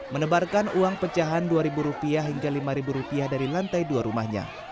menebarkan uang pecahan dua rupiah hingga lima rupiah dari lantai dua rumahnya